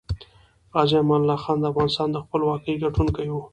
غازي امان الله خان دافغانستان دخپلواکۍ ګټونکی وه